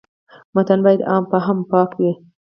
متن باید عام فهمه او پاک وي.